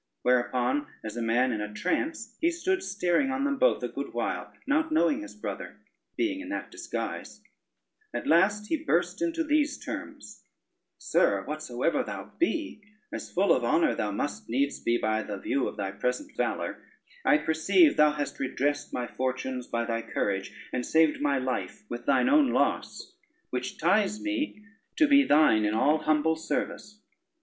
Whereupon, as a man in a trance, he stood staring on them both a good while, not knowing his brother, being in that disguise: at last he burst into these terms: "Sir, whatsoever thou be, as full of honor thou must needs be by the view of thy present valor, I perceive thou hast redressed my fortunes by thy courage, and saved my life with thine own loss, which ties me to be thine in all humble service.